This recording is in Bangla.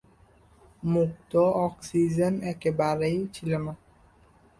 মুক্ত অক্সিজেন একেবারেই ছিল না।